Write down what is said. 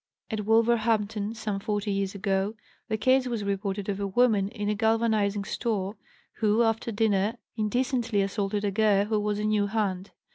At Wolverhampton, some forty years ago, the case was reported of a woman in a galvanizing "store" who, after dinner, indecently assaulted a girl who was a new hand.